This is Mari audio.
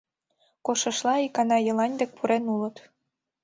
Коштшыштла икана Елань дек пурен улыт.